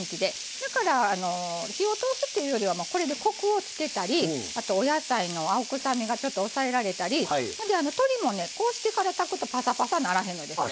だから火を通すというよりはこれでコクをつけたりお野菜の青臭みがちょっと抑えられたり鶏もねこうしてから炊くとパサパサにならへんのですよ。